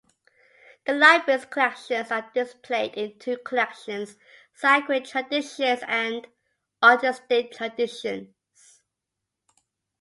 The Library's collections are displayed in two collections: "Sacred Traditions" and "Artistic Traditions".